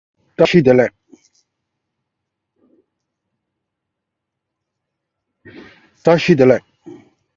He was born of a poor Jewish family in Trieste.